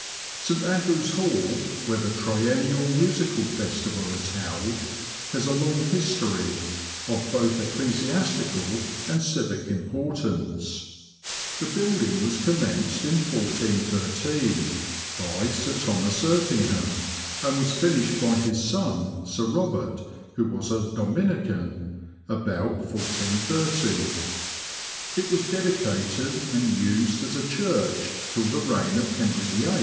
St. Andrew's Hall, where the Triennial Musical Festival is held, has a long history, of both eccle siastical and civic importance. The building was commenced in 141 3, by Sir Thomas Erpingham, and was finished by his son, Sir Robert (who was a Dominican), about 1430. It was dedicated and used as a church till the reign of Henry VIII.